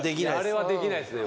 あれはできないですね